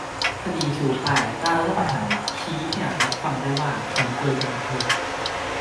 คดีชูป้ายต้านรัฐประหารชี้ไม่อาจรับฟังได้ว่าขังเกินกำหนดโทษ